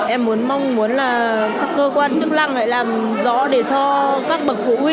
em mong muốn là các cơ quan chức lăng lại làm rõ để cho các bậc phụ huynh ấy